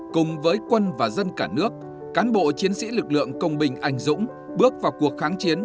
cùng với quân và dân cả nước cán bộ chiến sĩ lực lượng công binh anh dũng bước vào cuộc kháng chiến